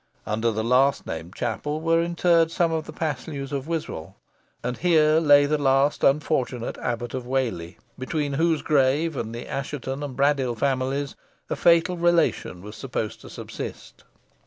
Under the last named chapel were interred some of the Paslews of Wiswall, and here lay the last unfortunate Abbot of Whalley, between whoso grave, and the Assheton and Braddyll families, a fatal relation was supposed to subsist.